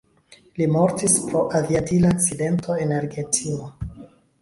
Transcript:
Li mortis pro aviadila akcidento en Argentino.